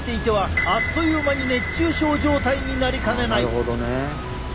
なるほどね。